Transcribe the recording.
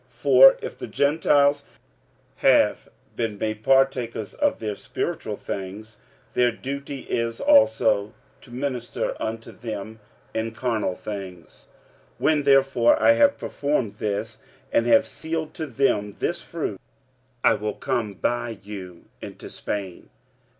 For if the Gentiles have been made partakers of their spiritual things, their duty is also to minister unto them in carnal things. 45:015:028 When therefore I have performed this, and have sealed to them this fruit, I will come by you into Spain.